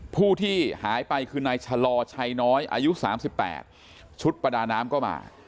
ผู้ที่หายไปคือนายชะลอชัยน้อยอายุ๓๘ชุดประดาน้ำก็มา